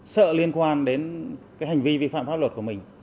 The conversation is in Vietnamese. sợ liên quan đến cái hành vi vi phạm pháp luật của mình